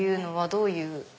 どういう。